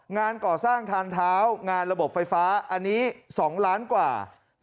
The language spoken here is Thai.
งานก่อสร้างทางเท้างานระบบไฟฟ้าอันนี้๒ล้านกว่า